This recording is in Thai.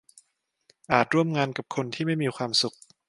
อาจร่วมงานกับคนที่ไม่มีความสุข